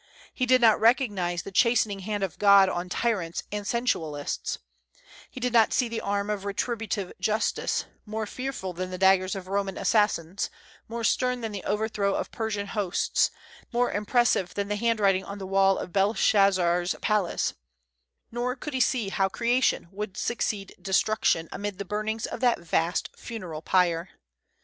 He did not recognize the chastening hand of God on tyrants and sensualists; he did not see the arm of retributive justice, more fearful than the daggers of Roman assassins, more stern than the overthrow of Persian hosts, more impressive than the handwriting on the wall of Belshazzar's palace; nor could he see how creation would succeed destruction amid the burnings of that vast funeral pyre.